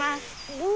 うわ。